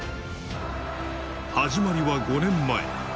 始まりは５年前。